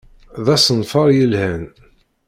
D asenfaṛ yelhan.